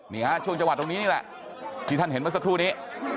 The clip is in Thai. นี่ฮะช่วงจังหวัดตรงนี้นี่แหละที่ท่านเห็นเมื่อสักครู่นี้